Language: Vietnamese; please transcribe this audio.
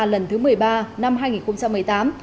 lần thứ một mươi ba năm hai nghìn một mươi tám